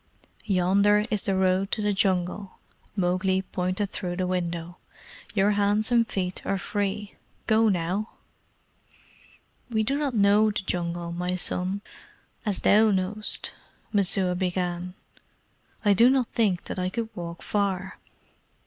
"Yonder is the road to the Jungle" Mowgli pointed through the window. "Your hands and feet are free. Go now." "We do not know the Jungle, my son, as as thou knowest," Messua began. "I do not think that I could walk far."